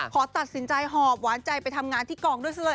ขอตัดสินใจหอบหวานใจไปทำงานที่กองด้วยซะเลย